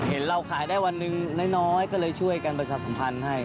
เราขายได้วันหนึ่งน้อยก็เลยช่วยกันประชาสัมพันธ์ให้